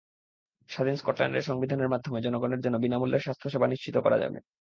স্বাধীন স্কটল্যান্ডের সংবিধানের মাধ্যমে জনগণের জন্য বিনা মূল্যের স্বাস্থ্যসেবা নিশ্চিত করা যাবে।